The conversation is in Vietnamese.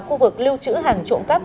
khu vực lưu trữ hàng trộm cắp